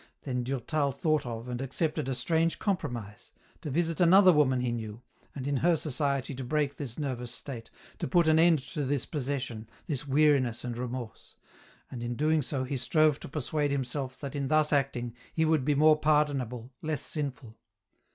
Then Durtal thought of and accepted a strange compromise, to visit another woman he knew, and in her society to break this nervous state, to put an end to this possession, this weariness and remorse ; and in doing so he strove to persuade himself that in thus acting he would be more pardonable, less sinful.